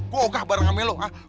kok gak bareng ame lu